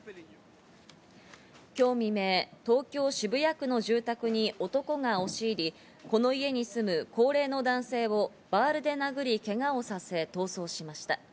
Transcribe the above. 今日未明、東京・渋谷区の住宅に男が押し入り、この家に住む高齢の男性をバールで殴り、けがをさせ逃走しました。